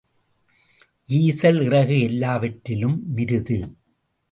ஈசல் இறகு எல்லாவற்றிலும் மிருது.